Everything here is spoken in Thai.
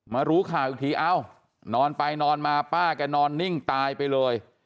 รู้ข่าวอีกทีเอ้านอนไปนอนมาป้าแกนอนนิ่งตายไปเลย